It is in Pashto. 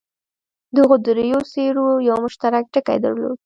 دغو دریو څېرو یو مشترک ټکی درلود.